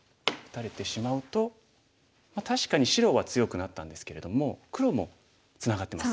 確かに白は強くなったんですけれども黒もツナがってます。